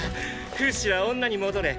フシは女に戻れ。